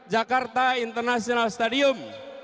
jakarta international stadium